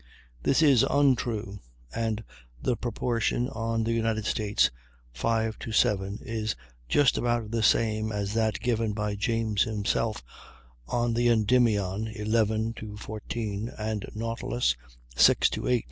This is untrue, and the proportion on the United States, 5 to 7, is just about the same as that given by James himself on the Endymion, 11 to 14, and Nautilus, 6 to 8.